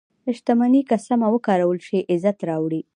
• شتمني که سمه وکارول شي، عزت راوړي.